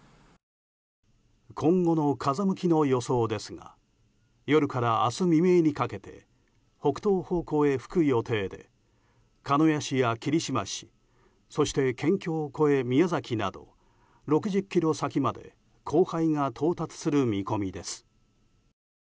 今後の風向きの予想ですが夜から明日未明にかけて北東方向へ吹く予定で鹿屋市や霧島市そして県境を越え、宮崎など６０ｋｍ先まで降灰が到達する見込みです。